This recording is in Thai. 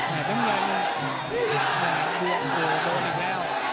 ปล่อยโะสอได้แล้ว